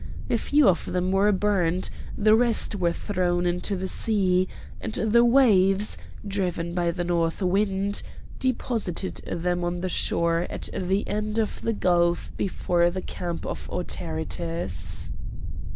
A few of them were burnt; the rest were thrown into the sea, and the waves, driven by the north wind, deposited them on the shore at the end of the gulf before the camp of Autaritus.